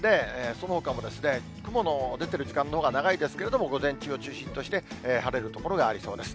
そのほかも雲の出ている時間のほうが長いですけれども、午前中を中心として、晴れる所がありそうです。